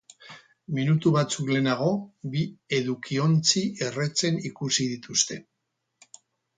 Minutu batzuk lehenago, bi edukiontzi erretzen ikusi dituzte.